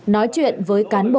nói chuyện với cán bộ